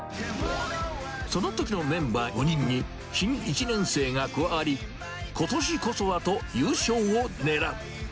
そのときのメンバー５人に新１年生が加わり、ことしこそはと優勝を狙う。